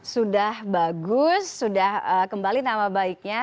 sudah bagus sudah kembali nama baiknya